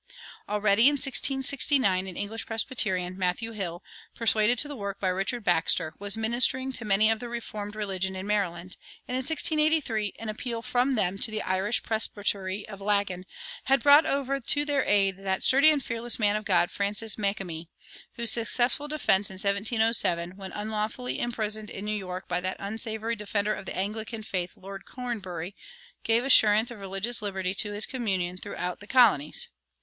Already, in 1669, an English Presbyterian, Matthew Hill, persuaded to the work by Richard Baxter, was ministering to "many of the Reformed religion" in Maryland; and in 1683 an appeal from them to the Irish presbytery of Laggan had brought over to their aid that sturdy and fearless man of God, Francis Makemie, whose successful defense in 1707, when unlawfully imprisoned in New York by that unsavory defender of the Anglican faith, Lord Cornbury, gave assurance of religious liberty to his communion throughout the colonies.